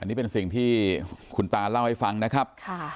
อันนี้เป็นสิ่งที่คุณตาเล่าให้ฟังนะครับ